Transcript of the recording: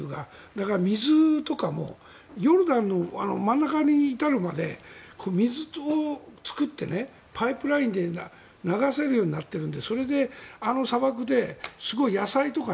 だから水とかもヨルダンの真ん中に至るまで水と作って、パイプラインで流せるようになってるのでそれで、あの砂漠で野菜とか